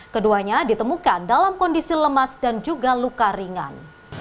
keduanya ditemukan dalam kondisi lemas dan juga luka ringan